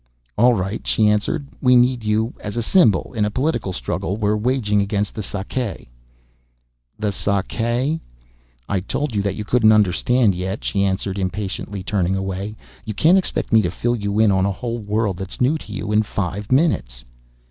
"All right," she answered. "We need you, as a symbol, in a political struggle we're waging against the Sakae." "The Sakae?" "I told you that you couldn't understand yet," she answered impatiently, turning away. "You can't expect me to fill you in on a whole world that's new to you, in five minutes."